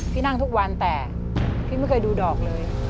พี่นั่งทุกวันแต่พี่ไม่เคยดูดอกเลย